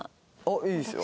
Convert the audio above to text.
いいですよ。